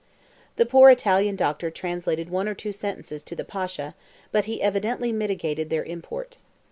The poor Italian doctor translated one or two sentences to the Pasha, but he evidently mitigated their import.